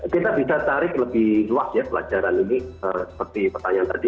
kita bisa tarik lebih luas ya pelajaran ini seperti pertanyaan tadi